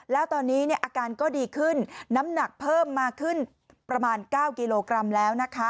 แล้วตอนนี้อาการก็ดีขึ้นน้ำหนักเพิ่มมาขึ้นประมาณ๙กิโลกรัมแล้วนะคะ